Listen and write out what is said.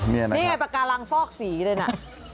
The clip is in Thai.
นี่ไงปากการังฟอกสีเลยนะ